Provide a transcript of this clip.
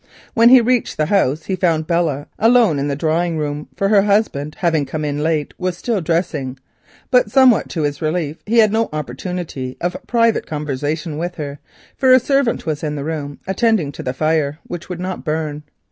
When he reached the house he found Belle alone in the drawing room, for her husband, having come in late, was still dressing, but somewhat to his relief he had no opportunity of private conversation with her, for a servant was in the room, attending to the fire, which would not burn.